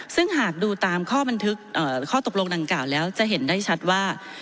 ซึ่งหากดูตามข้อบันทึกข้อตกลงดังกล่าวแล้วจะเห็นได้ชัดว่า